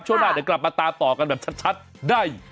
ช่วงหน้าเดี๋ยวกลับมาตามต่อกันแบบชัดได้